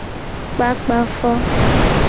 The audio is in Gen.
Kpakpa fo.